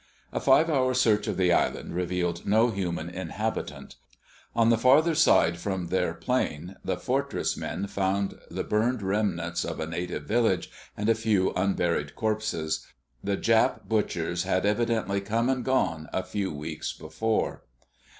A five hour search of the island revealed no human inhabitant. On the farther side from their plane the Fortress men found the burned remnants of a native village and a few unburied corpses. The Jap butchers had evidently come and gone a few weeks before.